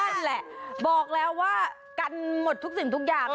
นั่นแหละบอกแล้วว่ากันหมดทุกสิ่งทุกอย่าง